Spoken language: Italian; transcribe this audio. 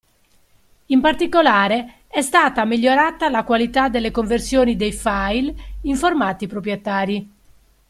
In particolare, è stata migliorata la qualità delle conversioni dei file in formati proprietari.